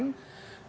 dan balutan itu